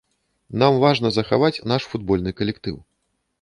Нам важна захаваць наш футбольны калектыў.